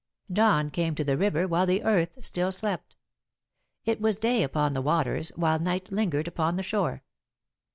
Dawn came to the river while the earth still slept; it was day upon the waters while night lingered upon the shore.